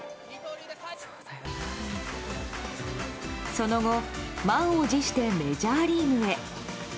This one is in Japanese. その後、満を持してメジャーリーグへ。